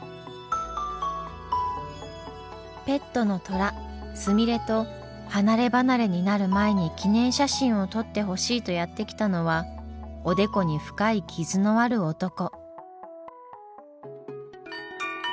ペットのトラすみれと離れ離れになる前に記念写真を撮ってほしいとやって来たのはおでこに深い傷のある男。